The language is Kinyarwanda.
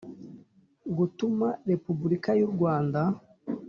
Gutuma Repubulika y u Rwanda